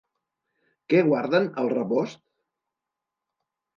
Què guarden al rebost?